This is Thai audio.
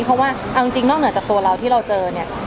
เพราะว่าเอาจริงนอกเหนือจากตัวเราที่เราเจอเนี่ย